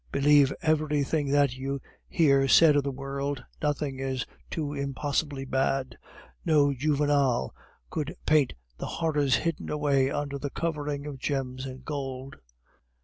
Believe everything that you hear said of the world, nothing is too impossibly bad. No Juvenal could paint the horrors hidden away under the covering of gems and gold."